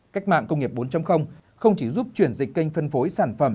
cách mạng công nghiệp bốn không chỉ giúp chuyển dịch kênh phân phối sản phẩm